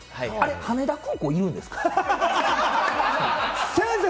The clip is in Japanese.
あれ、羽田空港いるんですか？